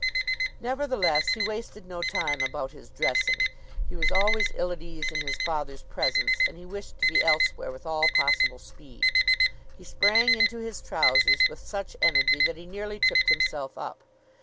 Nevertheless, he wasted no time about his dressing. He was always ill at ease in his father's presence and he wished to be elsewhere with all possible speed. He sprang into his trousers with such energy that he nearly tripped himself up.